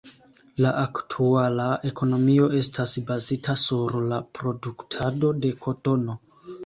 La aktuala ekonomio estas bazita sur la produktado de kotono.